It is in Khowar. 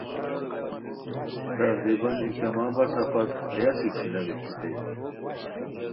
تقریباً ای کما بسہ پت ہیہ سلسلہ بہچیتائے